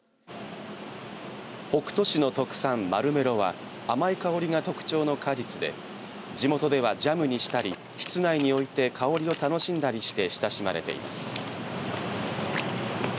北斗市の特産マルメロは甘い香りが特徴の果実で地元ではジャムにしたり室内に置いて香りを楽しんだりして親しまれています。